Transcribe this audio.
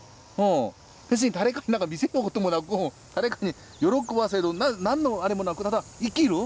別に誰かに見せることもなく誰かに喜ばせる何のあれもなくただ生きる。